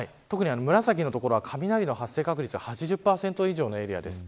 特に紫の所は雷の発生確率が８１％以上のエリアです。